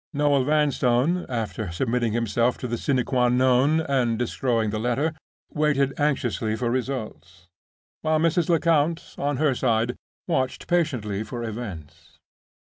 Noel Vanstone (after submitting himself to the sine qua non, and destroying the letter) waited anxiously for results; while Mrs. Lecount, on her side, watched patiently for events.